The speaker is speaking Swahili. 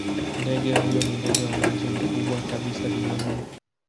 Ndege huyo ni ndege wa maji mkubwa kabisa duniani.